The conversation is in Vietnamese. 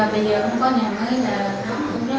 bây giờ không có nhà mới là cũng rất vui